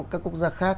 các quốc gia khác